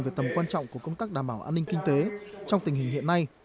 về tầm quan trọng của công tác đảm bảo an ninh kinh tế trong tình hình hiện nay